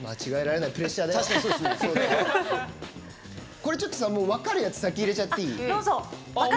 これ、分かるやつ先入れちゃっていい？